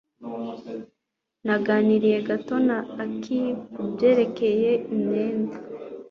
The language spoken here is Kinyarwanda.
Naganiriye gato na Aki kubyerekeye imyenda.